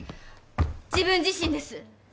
自分自身です。